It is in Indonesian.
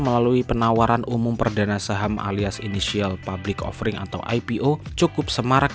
melalui penawaran umum perdana saham alias initial public offering atau ipo cukup semarak